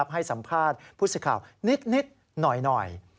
ให้สัมภาษณ์ผู้สิทธิ์ข่าวนิดหน่อย